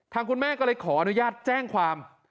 คุณแม่ก็เลยขออนุญาตแจ้งความ